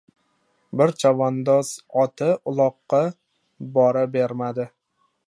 Bir chavandoz oti uloqqa bora bermadi.